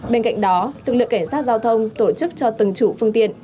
bên cạnh đó lực lượng cảnh sát giao thông tổ chức cho từng chủ phương tiện